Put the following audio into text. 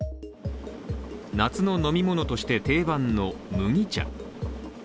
夏の飲み物として定番の麦茶。